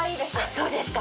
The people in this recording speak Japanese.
そうですか。